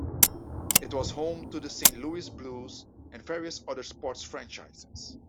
It was home to the Saint Louis Blues and various other sports franchises.